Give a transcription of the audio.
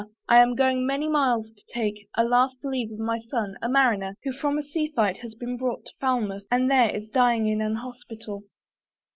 I am going many miles to take "A last leave of my son, a mariner, "Who from a sea fight has been brought to Falmouth, And there is dying in an hospital."